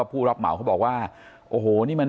โปรดติดตามตอนต่อไป